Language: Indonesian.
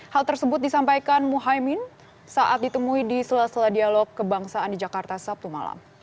hal tersebut disampaikan muhaymin saat ditemui di sela sela dialog kebangsaan di jakarta sabtu malam